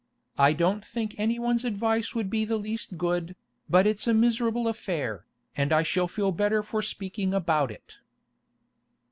I don't think anyone's advice would be the least good, but it's a miserable affair, and I shall feel better for speaking about it.